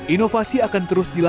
inovasi akan terus berjalan